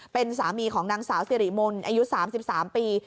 เป็นสามีของนางสาวสิริมนต์อายุ๓๓ปี